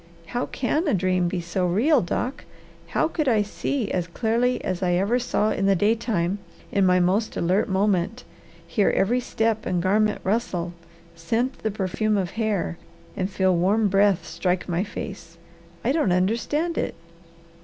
How CAN a dream be so real, Doc? How could I see as clearly as I ever saw in the daytime in my most alert moment, hear every step and garment rustle, scent the perfume of hair, and feel warm breath strike my face? I don't understand it!"